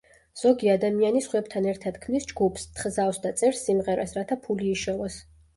ზოგი ადამიანი სხვებთან ერთად ქმნის ჯგუფს, თხზავს და წერს სიმღერას რათა ფული იშოვოს.